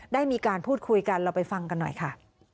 ได้มีการพูดคุยกันเราไปฟังกันหน่อยค่ะ